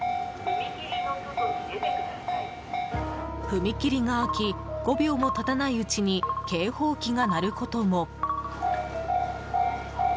踏切が開き５秒も経たないうちに警報機が鳴ることも。